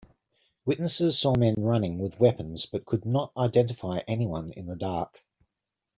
Witnesses saw men running with weapons but could not identify anyone in the dark.